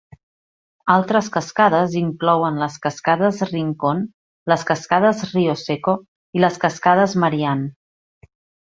Altres cascades inclouen les Cascades Rincon, les Cascades Rio Seco i les Cascades Marianne.